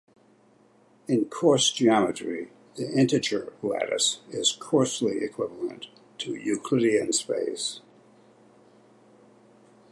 In coarse geometry, the integer lattice is coarsely equivalent to Euclidean space.